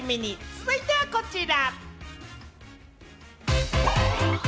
続いてはこちら。